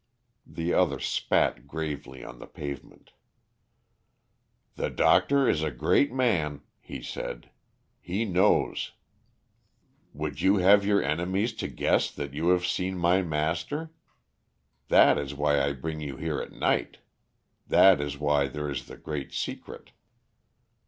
The other spat gravely on the pavement. "The doctor is a great man," he said. "He knows. Would you have your enemies to guess that you have seen my master? That is why I bring you here at night. That is why there is the great secret."